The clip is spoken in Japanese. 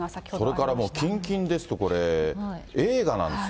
それからもう近々ですと、映画なんですよ。